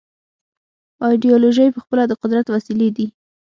ایدیالوژۍ پخپله د قدرت وسیلې دي.